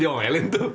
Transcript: dia diomelin tuh